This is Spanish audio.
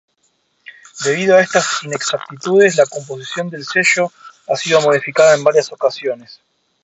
Debido a estas inexactitudes la composición del sello ha sido modificada en varias ocasiones.